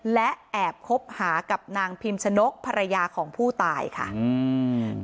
และแอบคบหากับนางพิมชนกภรรยาของผู้ตายค่ะอืม